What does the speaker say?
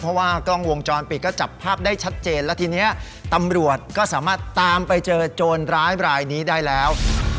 เพราะว่ากล้องวงจรปิดก็จับภาพได้ชัดเจนแล้วทีนี้ตำรวจก็สามารถตามไปเจอโจรร้ายบรายนี้ได้แล้ว